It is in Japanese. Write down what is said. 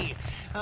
あ。